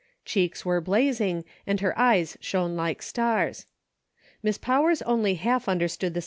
Cheeks were blazing, and her eyes shone like stars. Miss Powers only half understood the 86 " WILL YOU